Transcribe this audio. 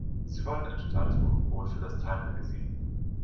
Sie wollen ein totales Monopol für das Time Magazine.